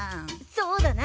そうだな。